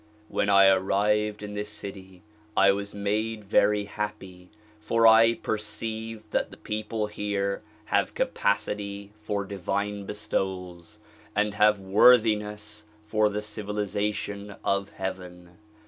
When I arrived in this city I was made very happy for I perceived that the people here have capacity for divine bestowals and have worthiness for the civilization of heaven.